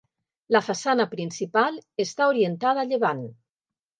La façana principal està orientada a llevant.